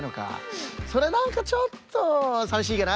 それなんかちょっとさみしいかな。